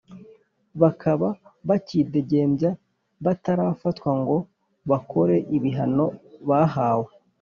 bakaba bakidegembya batarafatwa ngo bakore ibihano bahawe